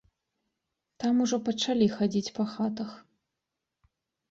Там ўжо пачалі хадзіць па хатах.